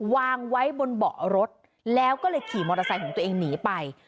วางไว้บนเบาะรถแล้วก็เลยขี่มอเตอร์ไซค์ของตัวเองหนีไป